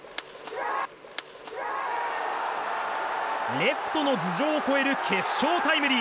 レフトの頭上を越える決勝タイムリー。